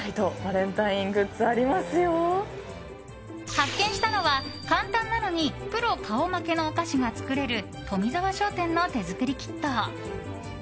発見したのは簡単なのにプロ顔負けのお菓子が作れる富澤商店の手作りキット。